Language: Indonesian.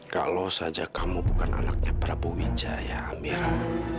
kalau saja kamu bukan anaknya prabu widjaya amirah